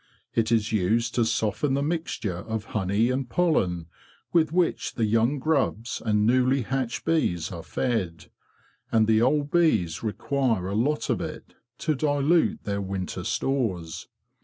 It is used to soften the mixture of honey and pollen with which the young grubs and newly hatched bees are fed; and the old bees require a lot of it to dilute their winter stores.